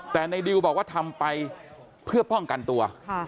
แต่ในดิวบอกว่าทำไปเพื่อป้องกันตัว